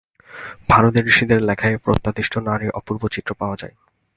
ভারতের ঋষিদের লেখায় প্রত্যাদিষ্ট নারীর অপূর্ব চিত্র পাওয়া যায়।